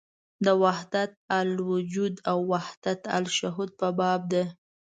د وحدت الوجود او وحدت الشهود په باب ده.